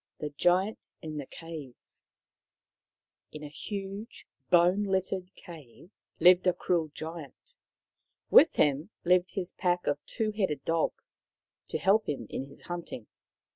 THE GIANT IN THE CAVE In a huge bone littered cave lived a cruel Giant. With him lived his pack of two headed dogs, to help him in his hunting.